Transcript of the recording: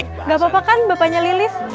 tidak apa apa kan bapaknya lilis